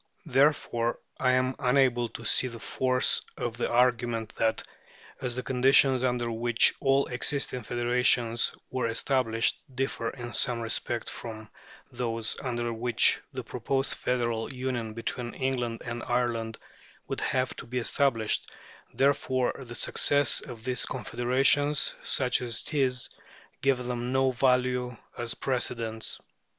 Therefore I am unable to see the force of the argument that, as the conditions under which all existing federations were established differ in some respects from those under which the proposed federal union between England and Ireland would have to be established, therefore the success of these confederations, such as it is, gives them no value as precedents.